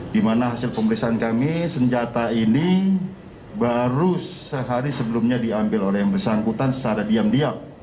di mana hasil pemeriksaan kami senjata ini baru sehari sebelumnya diambil oleh yang bersangkutan secara diam diam